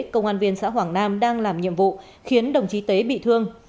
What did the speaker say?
công an viên xã hoàng nam đang làm nhiệm vụ khiến đồng chí tế bị thương